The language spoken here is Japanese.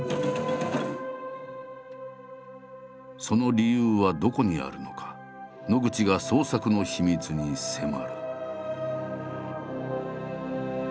その理由はどこにあるのか野口が創作の秘密に迫る。